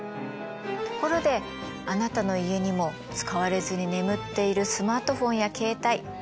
ところであなたの家にも使われずに眠っているスマートフォンや携帯ありませんか？